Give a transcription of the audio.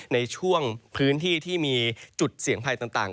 ในช่วงพื้นที่ที่มีจุดเสี่ยงภัยต่าง